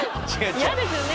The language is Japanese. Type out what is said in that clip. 嫌ですよね。